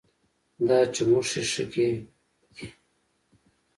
دا چموښي ښکي دي